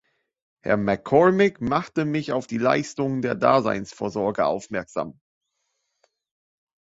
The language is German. Herr MacCormick machte mich auf die Leistungen der Daseinsvorsorge aufmerksam.